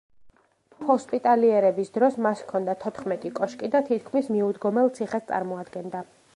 ჰოსპიტალიერების დროს მას ჰქონდა თოთხმეტი კოშკი და თითქმის მიუდგომელ ციხეს წარმოადგენდა.